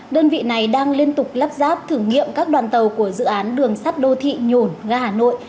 đơn vị này đang liên tục lắp ráp thử nghiệm các đoàn tàu của dự án đường sắt đô thị nhổn ga hà nội